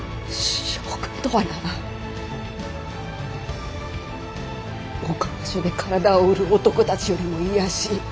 将軍とはな岡場所で体を売る男たちよりも卑しい